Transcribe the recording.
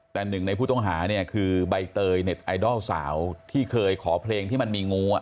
แต่หนึ่งในผู้ต้องหาเนี่ยคือใบเตยเน็ตไอดอลสาวที่เคยขอเพลงที่มันมีงู